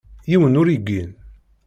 Yiwen ur igin.